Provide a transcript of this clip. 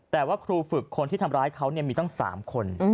แต่ว่าครูฝึกคนที่ทำร้ายเขามีตั้ง๓คน